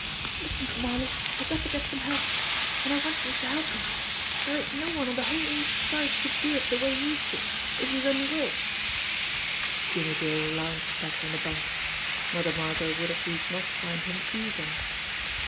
Listen, Smarly, I got to get some help. An' I want youse to help me. Dere ain't no one on de whole East Side could do it de way youse could, if youse only will." Jimmie Dale lounged back on the bunk. Mother Margot would at least not find him eager.